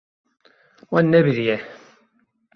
Wan nebiriye.